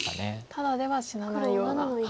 ただでは死なないような。